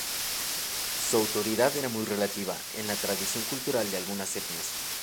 Su autoridad era muy relativa en la tradición cultural de algunas etnias.